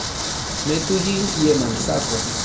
Metu ĝin je mansako.